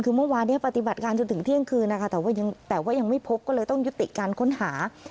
คือเมื่อวานเนี่ยปฏิบัติการจนถึงเที่ยงคืนนะคะแต่ว่ายังไม่พบก็เลยต้องยุติการค้นหา